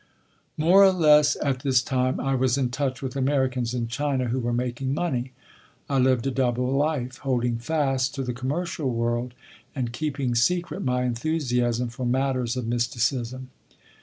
"More or less at this time I was in touch with Americans in China who were making money. I lived a double life—holding fast to the commercial world, and keeping secret my enthusiasm for matters of mysticism.